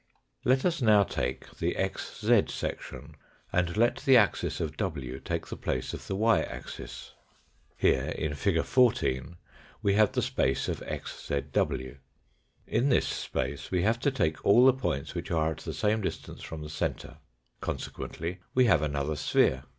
Let us now take the xz section, and let the axis of w RECAPITULATION AND EXTENSION 221 take the place of the y axis. Here, in fig. 14, we have the space of xzw. In this space we have to take all the points which are at the same distance from the centre, consequently we have another sphere.